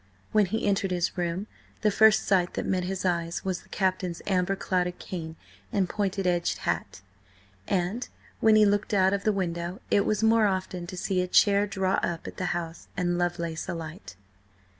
When he entered his door, the first sight that met his eyes was the Captain's amber clouded cane and point edged hat; and when he looked out of the window, it was more often to see a chair draw up at the house and Lovelace alight.